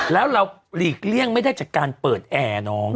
แล้วเราหลีกเลี่ยงไม่ได้จากการเปิดแอร์น้อง